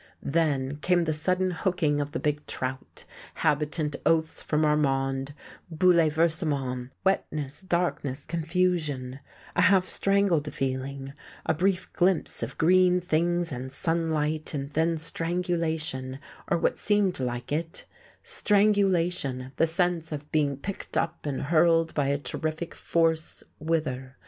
Then came the sudden hooking of the big trout, habitant oaths from Armand, bouleversement, wetness, darkness, confusion; a half strangled feeling, a brief glimpse of green things and sunlight, and then strangulation, or what seemed like it; strangulation, the sense of being picked up and hurled by a terrific force whither?